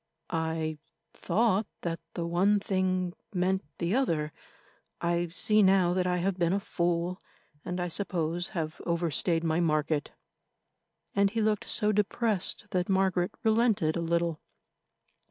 "I thought that the one thing meant the other; I see now that I have been a fool, and, I suppose, have overstayed my market," and he looked so depressed that Margaret relented a little.